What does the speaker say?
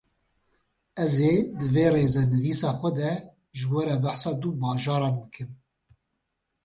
Ez ê di vê rêzenivîsa xwe de ji we re behsa du bajaran bikim